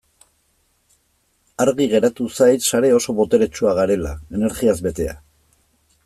Argi geratu zait sare oso boteretsua garela, energiaz betea.